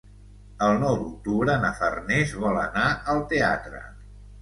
El nou d'octubre na Farners vol anar al teatre.